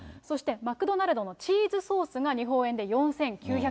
そしてマクドナルドのチーズソースが日本円で４９００円。